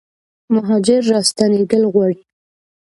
مهاجر راستنیدل غواړي